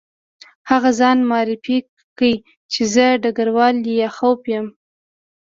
هغه ځان معرفي کړ چې زه ډګروال لیاخوف یم